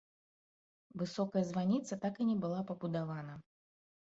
Высокая званіца так і не была пабудавана.